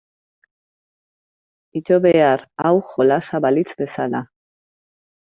Ito behar hau jolasa balitz bezala.